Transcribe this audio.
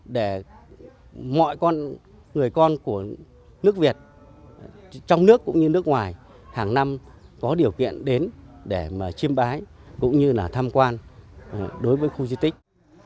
để mọi con người con của nước việt trong nước cũng như nước ngoài hàng năm có điều kiện đến để chiêm bái cũng như là tham quan đối với khu di tích